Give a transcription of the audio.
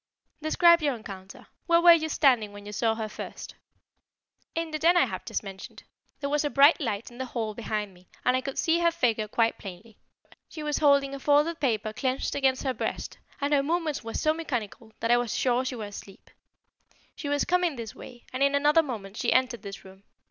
"Describe your encounter. Where were you standing when you saw her first?" "In the den I have just mentioned. There was a bright light in the hall behind me and I could see her figure quite plainly. She was holding a folded paper clenched against her breast, and her movement was so mechanical that I was sure she was asleep. She was coming this way, and in another moment she entered this room.